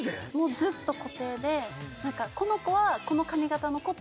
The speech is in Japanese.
ずっと固定で。